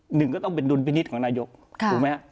หนึ่งก็ต้องเป็นดุลพินิษฐ์ของนายกถูกไหมฮะ